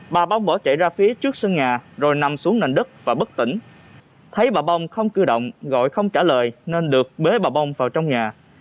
bà bong bỏ chạy ra phía trước sân nhà rồi nằm xuống nền đất và bất tỉnh thấy bà bong không cử động gọi không trả lời nên được bế bà bông vào trong nhà